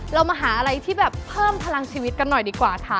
เรามาหาอะไรที่แบบเพิ่มพลังชีวิตกันหน่อยดีกว่าค่ะ